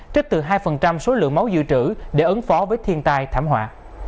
trích từ hai số lượng máu dự trữ để ứng phó với thiên tai thảm họa